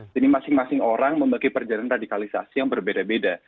jadi masing masing orang memiliki perjalanan radikalisasi yang berbeda beda